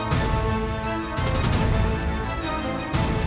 kau yang menghalangimu